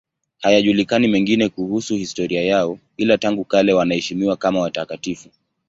Hayajulikani mengine kuhusu historia yao, ila tangu kale wanaheshimiwa kama watakatifu.